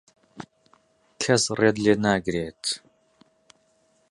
کەس ڕێت لێ ناگرێت.